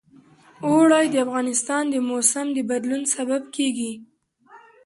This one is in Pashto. اوړي د افغانستان د موسم د بدلون سبب کېږي.